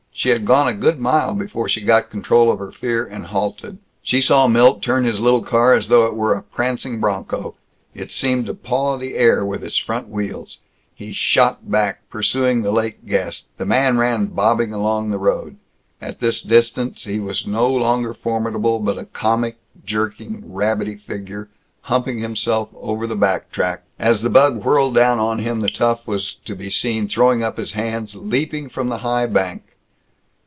She had gone a good mile before she got control of her fear and halted. She saw Milt turn his little car as though it were a prancing bronco. It seemed to paw the air with its front wheels. He shot back, pursuing the late guest. The man ran bobbing along the road. At this distance he was no longer formidable, but a comic, jerking, rabbity figure, humping himself over the back track. As the bug whirled down on him, the tough was to be seen throwing up his hands, leaping from the high bank.